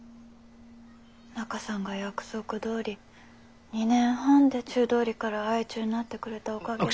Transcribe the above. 中さんが約束どおり２年半で中通りから相中になってくれたおかげで。